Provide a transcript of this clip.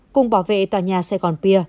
cùng bảo vệ tòa nhà saigon pier